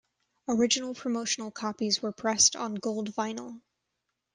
Original promotional copies were pressed on gold vinyl.